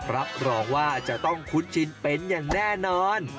รับรองว่าจะต้องคุ้นชินเป็นอย่างแน่นอน